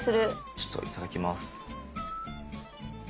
ちょっといただきます。